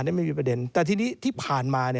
นี่ไม่มีประเด็นแต่ทีนี้ที่ผ่านมา